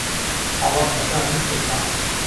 حەڵهب ههتا میسر و شام